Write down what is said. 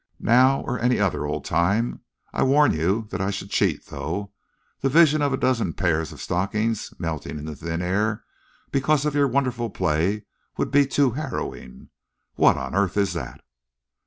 "Now or any other old time! I warn you that I should cheat, though. The vision of a dozen pairs of stockings melting into thin air because of your wonderful play would be too harrowing. What on earth is that?"